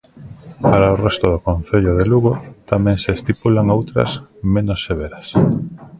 Para o resto do concello de Lugo tamén se estipulan outras, menos severas.